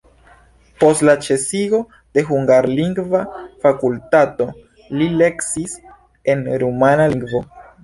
Post la ĉesigo de hungarlingva fakultato li lekciis en rumana lingvo.